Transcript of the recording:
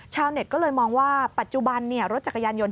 ชาวเน็ตก็เลยมองว่าปัจจุบันรถจักรยานยนต